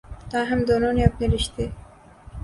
تاہم دونوں نے اپنے رشتے